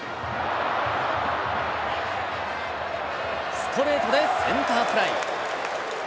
ストレートでセンターフライ。